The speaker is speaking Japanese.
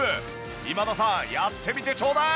今田さんやってみてちょうだい！